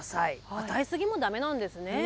与え過ぎもだめなんですね。